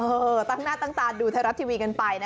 ตั้งหน้าตั้งตาดูไทยรัฐทีวีกันไปนะ